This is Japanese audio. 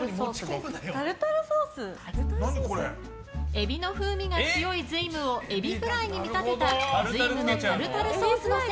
エビの風味が強い瑞夢をエビフライに見立てた瑞夢のタルタルソースのせ